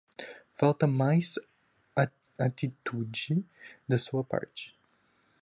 Falta mais atitude da sua parte